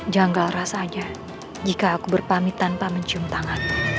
janggal rasanya jika aku berpamit tanpa mencium tangan